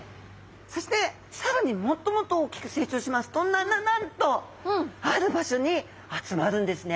そして更にもっともっと大きく成長しますとなななんとある場所に集まるんですね。